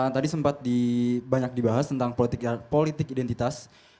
tadi sempat banyak dibahas tentang politik identitas